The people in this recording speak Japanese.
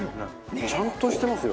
ちゃんとしてますよ。